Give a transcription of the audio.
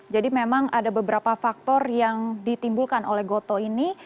jadi memang ada beberapa faktor yang ditimbulkan oleh gotoh ini